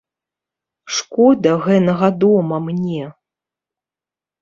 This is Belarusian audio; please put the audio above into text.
Шкода гэнага дома мне.